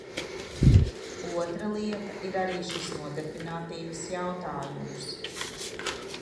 Otra lieta ir arī šis nodarbinātības jautājums.